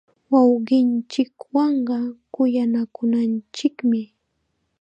Wawqinchikwanqa kuyanakunanchikmi.